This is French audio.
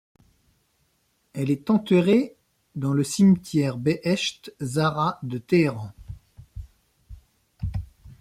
Elle est enterrée dans le cimetière Behesht-e Zahra de Téhéran.